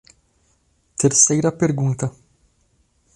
Terceira pergunta